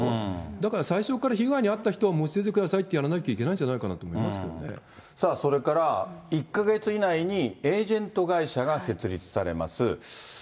だから最初から被害に遭った人は申し出てくださいとしないといけさあ、それから１か月以内にエージェント会社が設立されます。